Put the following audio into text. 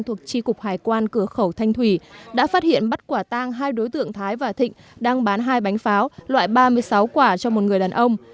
thuộc tri cục hải quan cửa khẩu thanh thủy đã phát hiện bắt quả tang hai đối tượng thái và thịnh đang bán hai bánh pháo loại ba mươi sáu quả cho một người đàn ông